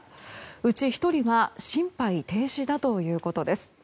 うち１人は心肺停止だということです。